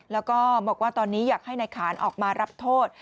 แล้วก็บอกว่าตอนนี้อยากให้นายขานออกมารับโทษ